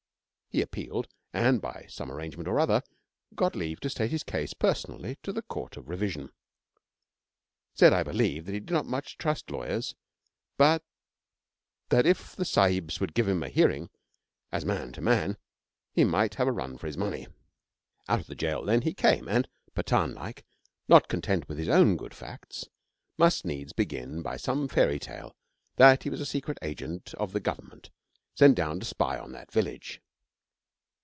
He appealed and, by some arrangement or other, got leave to state his case personally to the Court of Revision. 'Said, I believe, that he did not much trust lawyers, but that if the sahibs would give him a hearing, as man to man, he might have a run for his money. Out of the jail, then, he came, and, Pathan like, not content with his own good facts, must needs begin by some fairy tale that he was a secret agent of the government sent down to spy on that village.